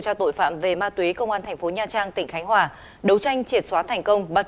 cho tội phạm về ma túy công an thành phố nha trang tỉnh khánh hòa đấu tranh triệt xóa thành công bắt